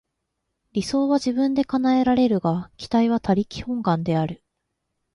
理想は自分で叶えられるが、期待は他力本願である。